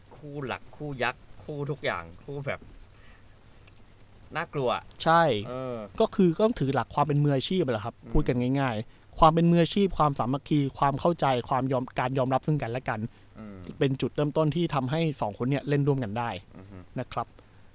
คู่หลักคู่ยักษ์คู่ทุกอย่างคู่แบบน่ากลัวใช่ก็คือก็ต้องถือหลักความเป็นมืออาชีพนะครับพูดกันง่ายความเป็นมืออาชีพความสามัคคีความเข้าใจความการยอมรับซึ่งกันและกันเป็นจุดเริ่มต้นที่ทำให้สองคนนี้เล่นร่วมกันได้นะครับ